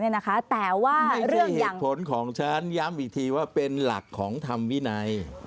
แต่ว่าเรื่องเหตุผลของฉันย้ำอีกทีว่าเป็นหลักของธรรมวินัย